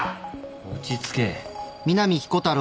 落ち着け。